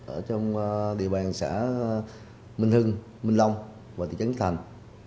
ở trong địa bàn xã minh hưng minh long và thị trấn thành